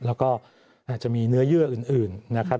แล้วก็อาจจะมีเนื้อเยื่ออื่นนะครับ